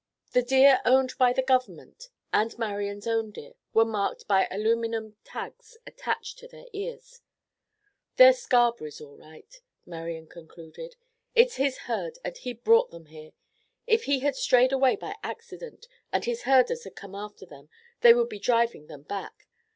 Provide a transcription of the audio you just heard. The deer owned by the Government, and Marian's own deer, were marked by aluminum tags attached to their ears. "They're Scarberry's all right," Marian concluded. "It's his herd, and he brought them here. If they had strayed away by accident and his herders had come after them, they would be driving them back.